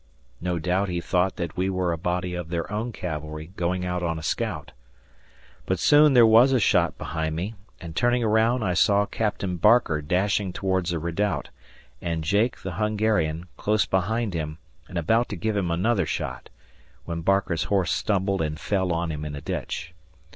No doubt he thought that we were a body of their own cavalry going out on a scout. But soon there was a shot behind me and, turning around, I saw Captain Barker dashing towards a redoubt and Jake, the Hungarian, close behind him and about to give him another shot, when Barker's horse tumbled and fell on him in a ditch.